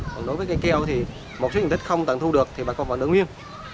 còn đối với cây keo thì một số diện tích không tặng thu được thì bà con còn nợ nguyên